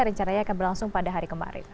rencananya akan berlangsung pada hari kemarin